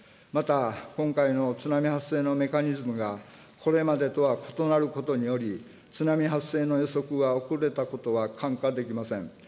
また、今回の津波発生のメカニズムが、これまでとは異なることにより、津波発生の予測が遅れたことは看過できません。